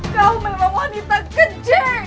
kau memang wanita kejeng